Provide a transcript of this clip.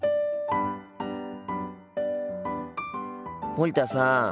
森田さん